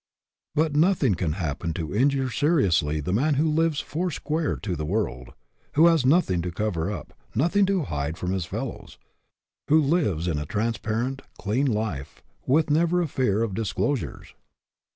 But nothing can happen to injure seriously the man who lives four square to the world; who has nothing to cover up, nothing to hide from his fellows; who lives a transparent, clean life, with never a fear of disclosures.